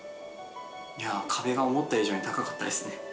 壁が思った以上に高かったですね。